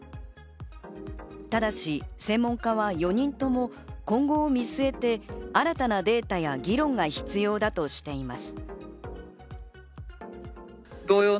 ただし専門家は４人とも、今後を見据えて新たなデータや議論が必要だとしています。